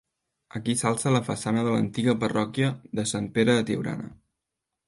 Aquí s'alça la façana de l'antiga parròquia de Sant Pere de Tiurana.